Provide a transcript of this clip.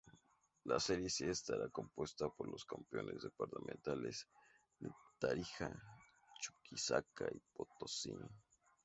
La serie C estará compuesta por los campeones departamentales de Tarija, Chuquisaca y Potosí.